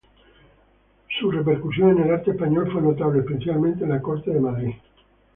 Su repercusión en el arte español fue notable, especialmente en la corte de Madrid.